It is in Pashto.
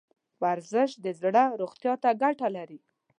ورزش د زړه روغتیا ته ګټه لري.